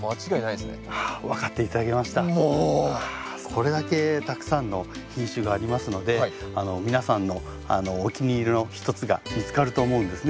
これだけたくさんの品種がありますので皆さんのお気に入りの一つが見つかると思うんですね。